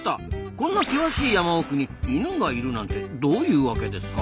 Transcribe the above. こんな険しい山奥にイヌがいるなんてどういうワケですか？